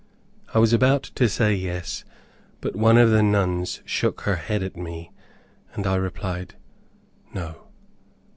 I was about to say yes, but one of the nuns shook her head at me, and I replied "No."